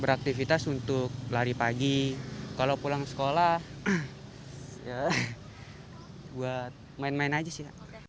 beraktivitas untuk lari pagi kalau pulang sekolah ya buat main main aja sih